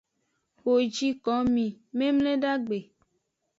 Wo ji komi memledagbe.